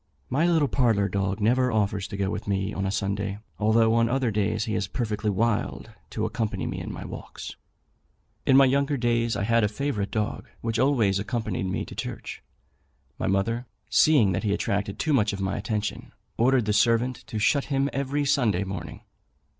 My little parlour dog never offers to go with me on a Sunday, although on other days he is perfectly wild to accompany me in my walks. In my younger days I had a favourite dog, which always accompanied me to church. My mother, seeing that he attracted too much of my attention, ordered the servant to shut him every Sunday morning.